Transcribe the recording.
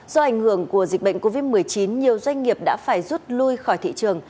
do ảnh hưởng của dịch bệnh covid một mươi chín nhiều doanh nghiệp đã phải rút lui khỏi thị trường